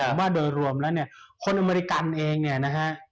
ผมว่าโดยรวมแล้วเนี่ยคนอเมริกันเองเนี่ยนะฮะ